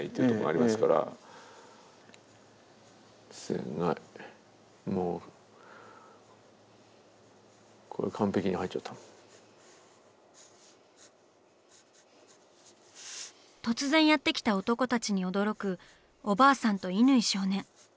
いやいやこれあの突然やって来た男たちに驚くおばあさんと乾少年。